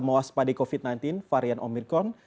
mewaspadai covid sembilan belas varian omikron